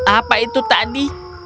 apa itu tadi